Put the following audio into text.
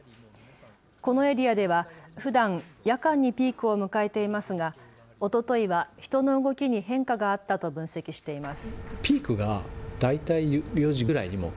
このエリアではふだん、夜間にピークを迎えていますがおとといは人の動きに変化があったと分析しています。